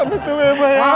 amat dulu ya bayang